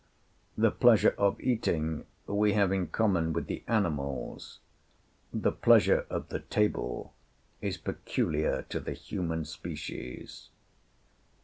"The pleasure of eating we have in common with the animals; the pleasure of the table is peculiar to the human species."